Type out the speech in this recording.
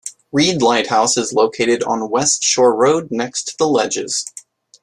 Reed Lighthouse is located on West Shore Road next to the Ledges.